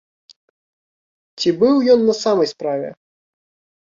Ці быў ён на самай справе?